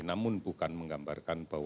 namun bukan menggambarkan bahwa